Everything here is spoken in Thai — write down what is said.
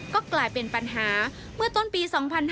ก็กลายเป็นปัญหาเมื่อต้นปี๒๕๕๙